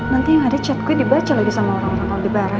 nanti yang ada chat gue dibaca lagi sama orang orang aldi baran